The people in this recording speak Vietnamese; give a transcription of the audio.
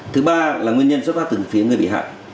thứ ba là nguyên nhân xuất phát từ phía người bị hại